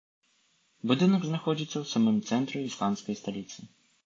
Будынак знаходзіцца ў самым цэнтры ісландскай сталіцы.